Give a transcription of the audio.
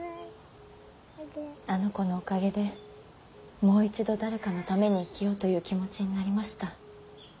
あの子のおかげでもう一度誰かのために生きようという気持ちになりました。